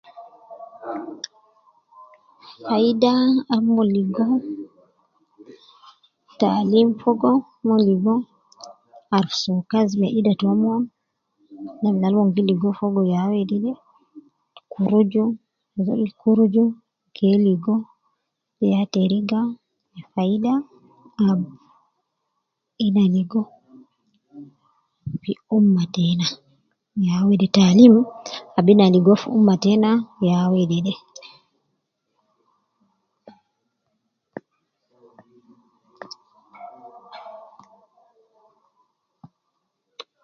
Faida ab umon ligo taalim fogo umon ligo arufu soo kazi me ida taumon, namna al umon gi ligo fogo yaa wedede ,kuruju, azol gi kuruju keeligo ya teriga me faida ab ina ligo fi ummah tena ya weede taalim ab ina ligo fi ummah tena ya wedede.